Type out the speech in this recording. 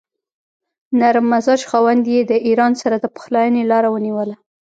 نرم مزاج خاوند یې د ایران سره د پخلاینې لاره ونیوله.